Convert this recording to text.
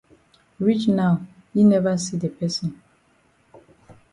Reach now yi never see the person.